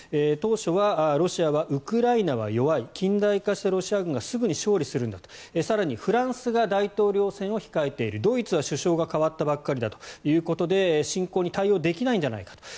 当初はロシアはウクライナは弱い近代化してロシア軍がすぐに勝利するんだと更に、フランスが大統領選を控えているドイツは首相が代わったばかりだということで侵攻に対応できないんじゃないか。